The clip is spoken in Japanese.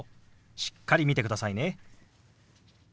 しっかり見てくださいね。